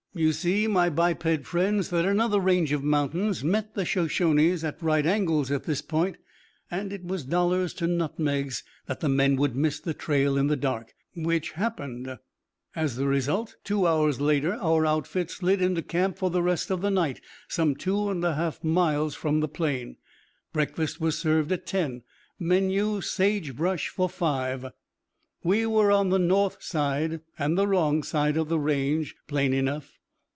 You see, my biped friends, that another range of mountains met the Shoshones at right angles at this point, and it was dollars to nutmegs that the men would miss the trail in the dark, which happened; as the result, two hours later, our outfit slid into camp for the rest of the night some two half miles from the plain. Breakfast was served at ten. Menu: sage brush for five. We were on the north side, and the wrong side, of the range, plain enough.